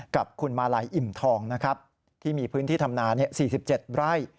กับคุณมาลัยอิ่มทองนะครับที่มีพื้นที่ทำนา๔๗ไร่